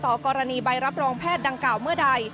กรณีใบรับรองแพทย์ดังกล่าวเมื่อใด